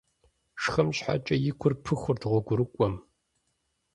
Шхын щхьэкӀэ и гур пыхурт гъуэгурыкӀуэм.